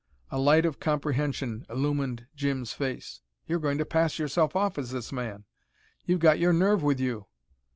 A light of comprehension illumined Jim's face. "You're going to pass yourself off as this man? You've got your nerve with you!"